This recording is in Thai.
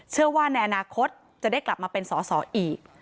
เชื่อว่าในอนาคตจะได้กลับมาเป็นสอสออีก